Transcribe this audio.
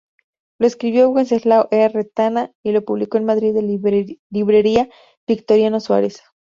Lo escribió Wenceslao E. Retana y lo publicó en Madrid la Librería Victoriano Suárez.